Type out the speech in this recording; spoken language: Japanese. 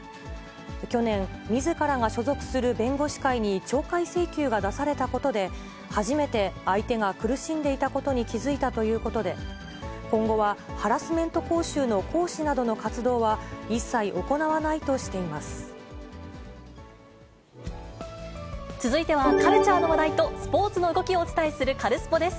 去年、みずからが所属する弁護士会に懲戒請求が出されたことで、初めて相手が苦しんでいたことに気付いたということで、今後はハラスメント講習の講師などの活動は一切行わないとしてい続いては、カルチャーの話題とスポーツの動きをお伝えするカルスポっ！です。